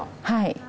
はい。